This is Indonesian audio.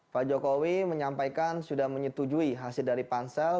pak jokowi menyampaikan sudah menyetujui hasil dari pansel